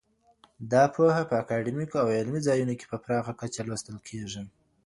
دا پوهه په اکاډمیکو او علمي ځایونو کي په پراخه کچه لوستل کيږي.